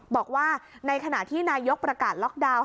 บอกว่าในขณะที่นายกประกาศล็อกดาวน์